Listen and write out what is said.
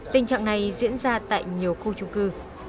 tình trạng này diễn ra tại nhiều khu trung cư